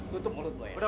tutup mulut lo ya